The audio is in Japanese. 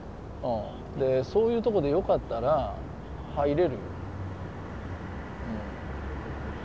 そういうとこで良かったら入れるよ。